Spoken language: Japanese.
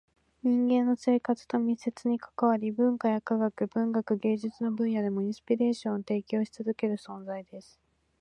人間の生活と密接に関わり、文化や科学、文学、芸術の分野でもインスピレーションを提供し続ける存在です。